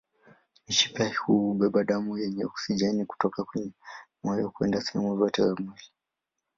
Mshipa huu hubeba damu yenye oksijeni kutoka kwenye moyo kwenda sehemu zote za mwili.